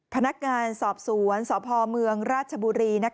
พนักงานสอบสวนสพเมืองราชบุรี